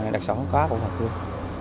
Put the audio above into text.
đặc sản khoá của hòa khương